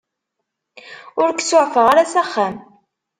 Ur k-suɛfeɣ ara s axxam.